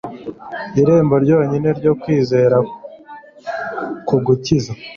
irembo ryonyine ryo kwizera kugukiza